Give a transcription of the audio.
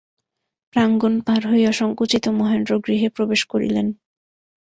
প্রাঙ্গণ পার হইয়া সংকুচিত মহেন্দ্র গৃহে প্রবেশ করিলেন।